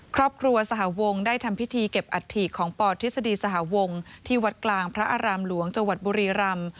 ครอบครัวสหวงได้ทำพิธีเก็บอัฐิของปทฤษฎีสหวงที่วัดกลางพระอารามหลวงจังหวัดบุรีรำ